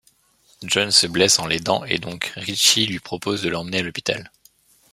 John se blesse en l'aidant et donc Richie lui propose de l'emmener à l'hôpital.